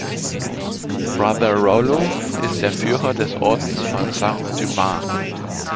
Brother Rollo ist der Führer des Ordens von Sankt Dumas.